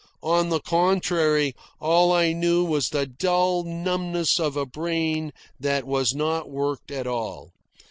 On the contrary, all I knew was the dull numbness of a brain that was not worked at all.